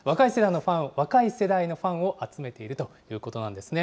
若い世代のファンを集めているということなんですね。